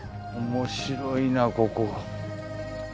おもしろいなここ。